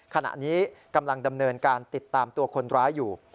ขณะนี้กำลังดำเนินการติดตามตัวคนร้ายอยู่